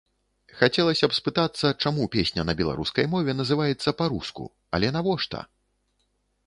Хацелася б спытацца чаму песня на беларускай мове называецца па-руску, але навошта!